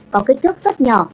có kích thước rất nhỏ